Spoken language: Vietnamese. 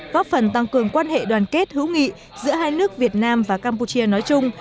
góp phần tăng cường quan hệ đoàn kết hữu nghị giữa hai nước việt nam và campuchia nói chung